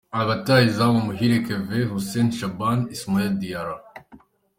Abataha izamu: Muhire Kevin, Hussein Shaban, Ismaila Diarra.